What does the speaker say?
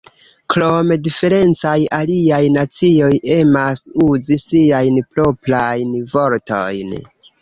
Krome, diferencaj aliaj nacioj emas uzi siajn proprajn vortojn.